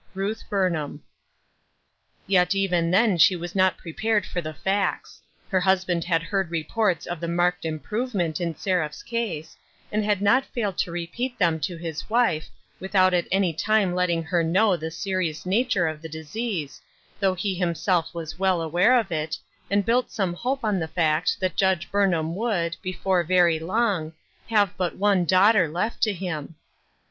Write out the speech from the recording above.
Ruth Burnham. Yet even then she was not prepared for the facts. Her husband had heard reports of the marked improvement in Seraph's case, and had not failed to repeat them to his wife, without at any time letting her know the serious nature of the disease, though he himself was well aware of it, and built some hope on the fact that Judge Burnham would, before very long, have but one daughter left to him.